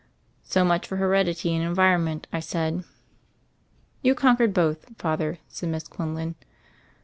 "So much for heredity and environment," I said. "You conquered both, Father," said Miss Quinlan.